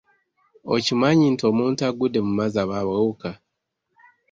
Okimanyi nti omuntu agudde mu mazzi aba awewuka?